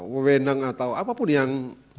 wewenang atau apapun yang